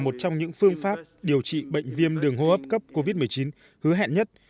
một trong những phương pháp điều trị bệnh viêm đường hô hấp cấp covid một mươi chín hứa hẹn nhất